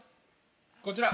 ◆こちら！